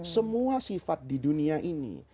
semua sifat di dunia ini